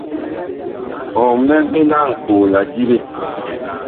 Ɔ mɓɛ vee laŋkoo la diɓe?